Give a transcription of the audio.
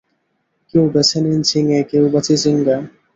কেউ বেছে নেন ঝিঙে, কেউবা চিচিঙ্গা।